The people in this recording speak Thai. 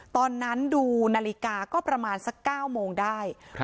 ตอนนั้นดูนาฬิกาก็ประมาณสัก๙โมงได้